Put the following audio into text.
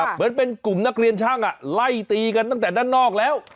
เหมือนเป็นกลุ่มนักเรียนช่างไล่ตีกันตั้งแต่ด้านนอกแล้ว